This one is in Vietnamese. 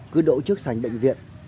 cứ đổ trước sánh bệnh viện